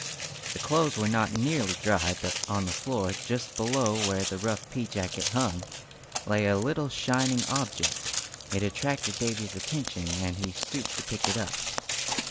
The clothes were not nearly dry, but on the floor, just below where the rough pea jacket hung, lay a little shining object. It attracted Davy's attention, and he stooped and picked it up.